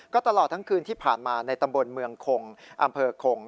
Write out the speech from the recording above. ก็ตลอดทั้งคืนที่ผ่านมาในตำบลเมืองคงอำเภอคง